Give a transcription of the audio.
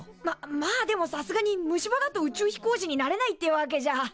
ままあでもさすがに虫歯だと宇宙飛行士になれないってわけじゃ。